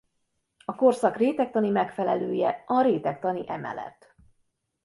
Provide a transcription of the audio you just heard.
A korszak rétegtani megfelelője a rétegtani emelet.